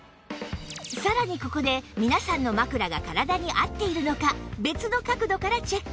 さらにここで皆さんの枕が体に合っているのか別の角度からチェック